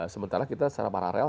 sementara kita secara paralel